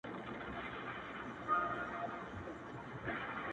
• د دوى په نيت ورسره نه اوسيږو.